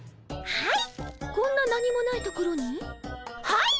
はい！